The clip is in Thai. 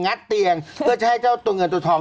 เตียงเพื่อจะให้เจ้าตัวเงินตัวทอง